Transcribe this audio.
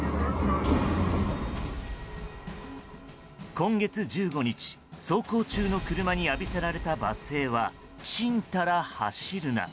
今月１５日、走行中の車に浴びせられた罵声はチンタラ走るな！